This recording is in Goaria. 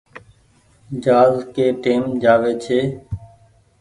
جهآز ڪي ٽيم جآوي ڇي۔